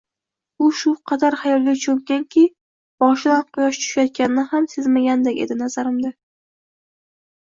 U shu qadar xayolga cho`mganki, boshidan quyosh tushayotganini ham sezmayotganday edi nazarimda